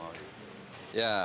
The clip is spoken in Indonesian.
ya menurut saya